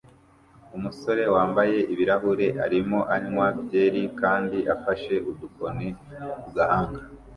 Umusore wambaye ibirahure arimo anywa byeri kandi afashe udukoni ku gahanga